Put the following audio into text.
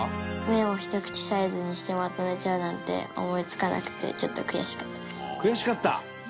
麺をひと口サイズにしてまとめちゃうなんて思いつかなくてちょっと悔しかったです。